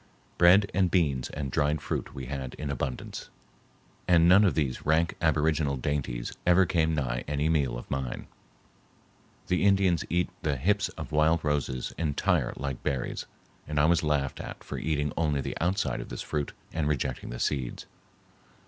Bread and beans and dried fruit we had in abundance, and none of these rank aboriginal dainties ever came nigh any meal of mine. The Indians eat the hips of wild roses entire like berries, and I was laughed at for eating only the outside of this fruit and rejecting the seeds.